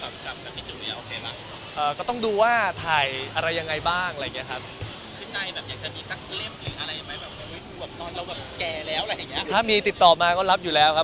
แบบแบบเก่าแล้วอะไรอย่างเงี้ยถ้ามีติดต่อมาก็รับอยู่แล้วครับ